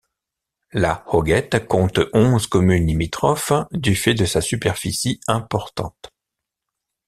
La Hoguette compte onze communes limitrophes du fait de sa superficie importante.